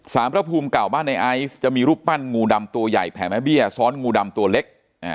พระภูมิเก่าบ้านในไอซ์จะมีรูปปั้นงูดำตัวใหญ่แผ่แม่เบี้ยซ้อนงูดำตัวเล็ก